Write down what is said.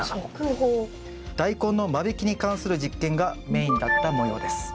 ダイコンの間引きに関する実験がメインだったもようです。